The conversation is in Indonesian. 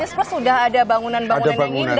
terus sudah ada bangunan bangunan yang ini